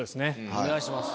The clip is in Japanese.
お願いします。